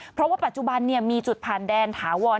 เพราะว่าปัจจุบันมีจุดผ่านแดนถาวร